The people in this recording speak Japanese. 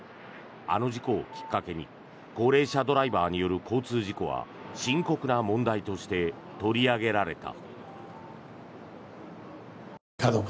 あの事故をきっかけに高齢者ドライバーによる交通事故は深刻な問題として取り上げられた。